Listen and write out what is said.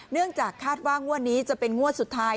เนื่องจากคาดว่างวดนี้จะเป็นงวดสุดท้าย